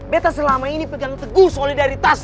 beta selama ini pegang teguh solidaritas